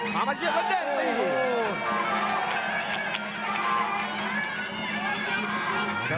ขามาเชื่อมแล้วเด้งเลย